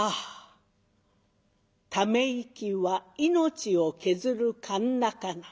「ため息は命を削る鉋かな」。